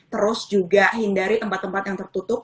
terus juga hindari tempat tempat yang tertutup